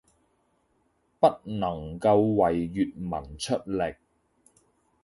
不能夠為粵文出力